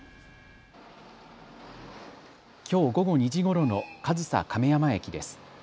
きょう午後２時ごろの上総亀山駅です。